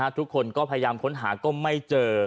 ทุกคนก็พยายามค้นหาก็ไม่เจอ